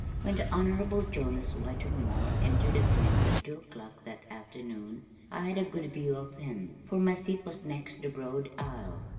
When the Honorable Jonas Whitermore entered the tent at two o'clock that afternoon I had a good view of him, for my seat was next the broad aisle.